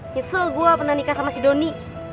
nyesel gue pernah nikah sama si doni